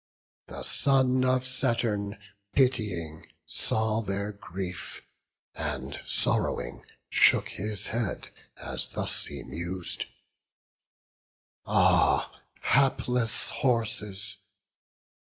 The son of Saturn pitying saw their grief, And sorrowing shook his head, as thus he mus'd: "Ah, hapless horses!